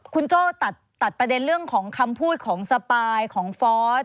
คุณโจ้ตัดประเด็นเรื่องของคำพูดของสปายของฟอส